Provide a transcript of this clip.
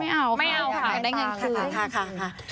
ไม่เอาค่ะได้เงินคืนค่ะ